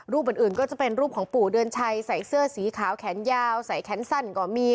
อื่นก็จะเป็นรูปของปู่เดือนชัยใส่เสื้อสีขาวแขนยาวใส่แขนสั้นก็มี